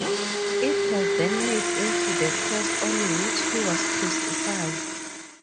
It was then made into the cross on which he was crucified.